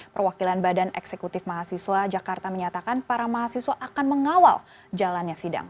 perwakilan badan eksekutif mahasiswa jakarta menyatakan para mahasiswa akan mengawal jalannya sidang